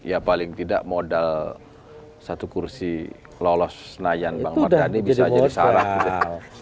ya paling tidak modal satu kursi lolos senayan bang mardhani bisa jadi syarat gitu